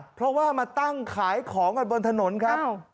เพราะว่ามาตั้งขายของกันบนถนนครับ